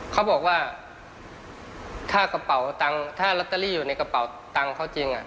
เขาบอกว่าถ้ากระเป๋าตังค์ถ้าลอตเตอรี่อยู่ในกระเป๋าตังค์เขาจริง